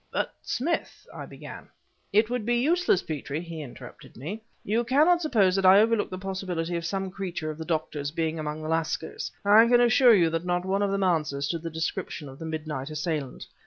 "But, Smith," I began "It would be useless, Petrie," he interrupted me. "You cannot suppose that I overlooked the possibility of some creature of the doctor's being among the lascars. I can assure you that not one of them answers to the description of the midnight assailant.